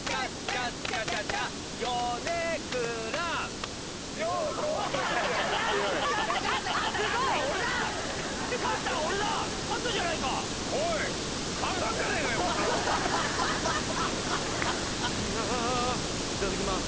あぁいただきます。